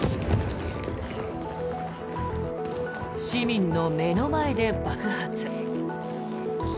市民の目の前で爆発。